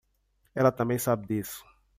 Ela também sabe disso!